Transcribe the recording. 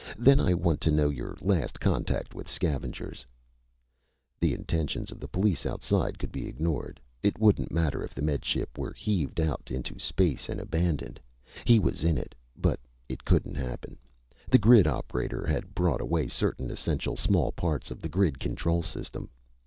Then I want to know your last contact with scavengers." The intentions of the police outside could be ignored. It wouldn't matter if the Med Ship were heaved out to space and abandoned. He was in it. But it couldn't happen. The grid operator had brought away certain essential small parts of the grid control system.